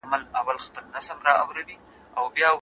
ګازي مشروبات مه څښئ.